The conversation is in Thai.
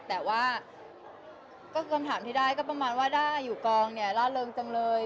แต่ว่าก็คำถามที่ได้ก็ประมาณว่าถ้าอยู่กองเนี่ยล่าเริงจังเลย